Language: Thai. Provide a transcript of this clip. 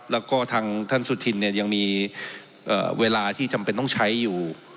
แล้วก็ทางท่านสุธินเนี่ยยังมีเวลาที่จำเป็นต้องใช้อยู่